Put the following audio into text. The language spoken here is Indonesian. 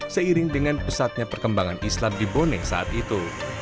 seiring dengan pesatnya perkembangan islam di boneh saat itu